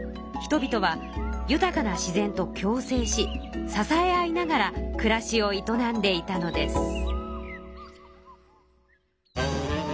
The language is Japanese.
人々は豊かな自然と共生し支え合いながら暮らしを営んでいたのです。